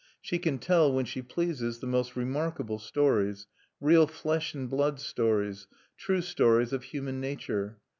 She can tell, when she pleases, the most remarkable stories, real flesh and blood stories, true stories of human nature.